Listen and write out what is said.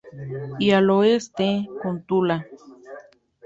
Y al oeste, con Tula.